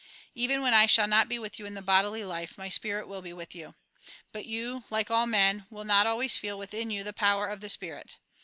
" Even when I shall not be with you in the bodily life, my spirit will be with you. But you, like all men, will not always feel within you the power of the spirit.